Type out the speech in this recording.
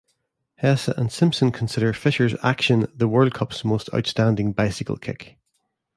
Hesse and Simpson consider Fischer's action the World Cup's most outstanding bicycle kick.